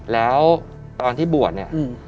แล้วตอนที่บวชเนี่ย